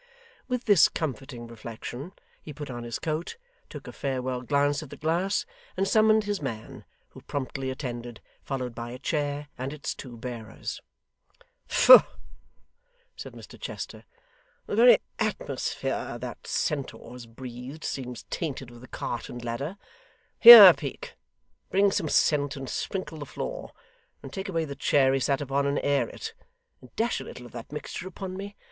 With this comforting reflection, he put on his coat, took a farewell glance at the glass, and summoned his man, who promptly attended, followed by a chair and its two bearers. 'Foh!' said Mr Chester. 'The very atmosphere that centaur has breathed, seems tainted with the cart and ladder. Here, Peak. Bring some scent and sprinkle the floor; and take away the chair he sat upon, and air it; and dash a little of that mixture upon me.